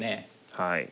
はい。